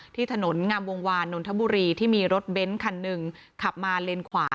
ที่ถนนงามวงวานนทบุรีที่มีรถเบนท์คันหนึ่งขับมาเลนขวา